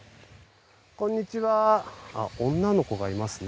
こんにちは。